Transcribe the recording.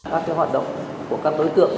các cái hoạt động của các đối tượng